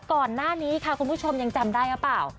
ก่อนหน้านี้ค่ะคุณผู้ชมยังจำได้หรือเปล่า